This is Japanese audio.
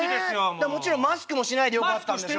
もちろんマスクもしないでよかったんでしょ？